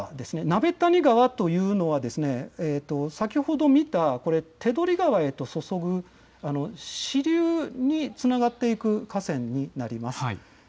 鍋谷川といういうのは先ほど見た手取川へと注ぐ支流につながっていく河川になります。